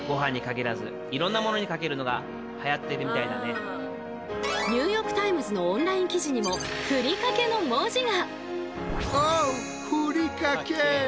実際に「ニューヨーク・タイムズ」のオンライン記事にも「Ｆｕｒｉｋａｋｅ」の文字が！